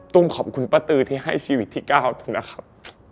ตุ้มขอบคุณป้าตือที่ให้ชีวิตที่ก้าวทุ้มนะครับ